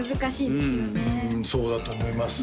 うんそうだと思います